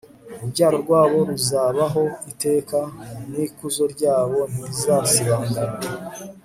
urubyaro rwabo ruzabaho iteka n'ikuzo ryabo ntirizasibangana